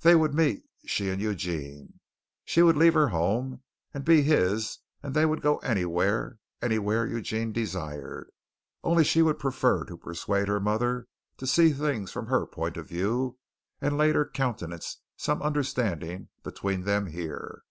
They would meet, she and Eugene. She would leave her home and be his and they would go anywhere, anywhere Eugene desired, only she would prefer to persuade her mother to see things from her point of view and later countenance some understanding between them here.